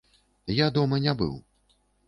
Я дома не быў.